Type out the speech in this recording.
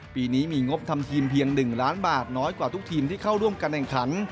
ปีนี้มีงบทำทีมเพียง๑ล้านบาทน้อยกว่าทุกทีมที่เข้าร่วมการแข่งขัน